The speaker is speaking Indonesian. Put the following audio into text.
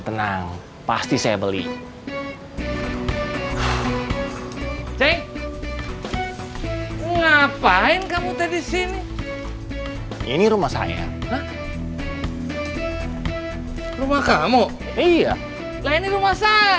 tenang pasti saya beli teh ngapain kamu teh di sini ini rumah saya rumah kamu iya lain di rumah saya